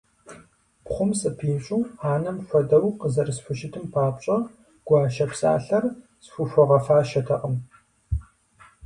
Пхъум сыпищӀу анэм хуэдэу къызэрисхущытым папщӀэ гуащэ псалъэр схухуэгъэфащэртэкъым.